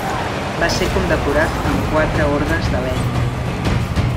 Va ser condecorat amb quatre ordes de Lenin.